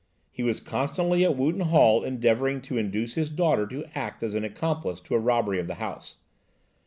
He was constantly at Wootton Hall endeavouring to induce his daughter to act as an accomplice to a robbery of the house.